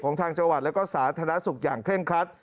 ทางจังหวัดและก็สาธารณสุขอย่างเคร่งครัด